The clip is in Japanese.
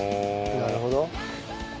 なるほど。